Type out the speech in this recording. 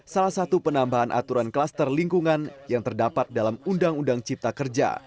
salah satu penambahan aturan kluster lingkungan yang terdapat dalam undang undang cipta kerja